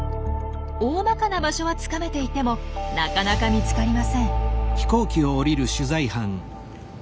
大まかな場所はつかめていてもなかなか見つかりません。